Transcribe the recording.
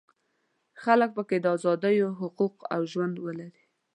خلک په کې د ازادیو حقوق او ژوند ولري.